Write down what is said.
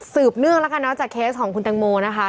เนื่องแล้วกันเนอะจากเคสของคุณแตงโมนะคะ